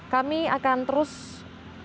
kami akan terus mengingatkan